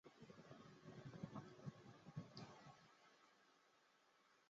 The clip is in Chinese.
蓝钦毕业于普林斯顿大学土木工程系。